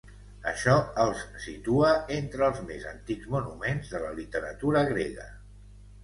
Això els situa entre els més antics monuments de la literatura grega.